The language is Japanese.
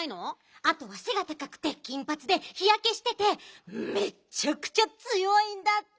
あとはせがたかくて金ぱつで日やけしててめっちゃくちゃつよいんだって！